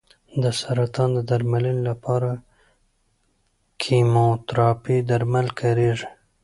د سرطان د درملنې لپاره کیموتراپي درمل کارېږي.